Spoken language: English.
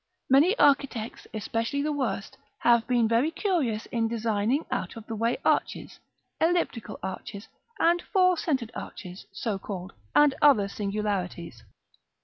Many architects, especially the worst, have been very curious in designing out of the way arches, elliptical arches, and four centred arches, so called, and other singularities.